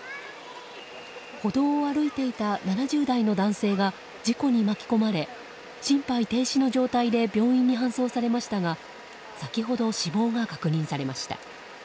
歩道を歩いていた７０代の男性が事故に巻き込まれ心肺停止の状態で病院に搬送されましたが先ほど、死亡が確認されました。